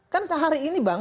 kan sehari ini bang